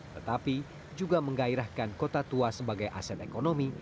tetapi juga menggairahkan kota tua sebagai aset ekonomi